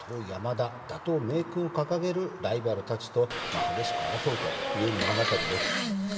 山田・打倒明訓を掲げるライバルたちと激しく争うという物語です。